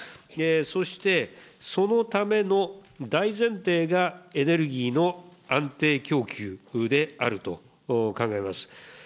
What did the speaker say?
そしてそのための大前提がエネルギーの安定供給であると考えます。